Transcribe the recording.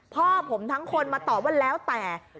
พ่อผมทั้งคนมาตอบว่าแล้วแต่